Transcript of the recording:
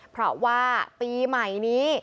เพราะว่าปีใหม่นี้